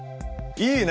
いいね！